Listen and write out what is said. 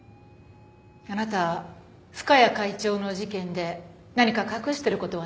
あなた深谷会長の事件で何か隠してる事はない？